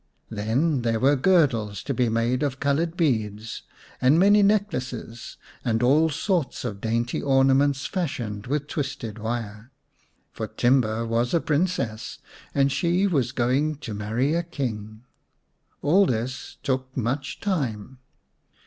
Then there were girdles to be made of coloured beads ; and many necklaces and all sorts of dainty ornaments fashioned with twisted wire. For Timba was a Princess, and she was going to marry a King. All this took much time.